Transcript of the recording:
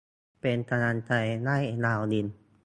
เป็นกำลังใจให้ ดาวดิน